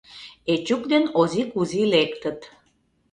Эчук ден Ози Кузи лектыт.